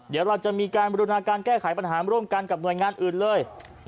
เดี๋ยวเราจะมีการบรินาการแก้ไขปัญหาร่วมกันกับหน่วยงานอื่นเลย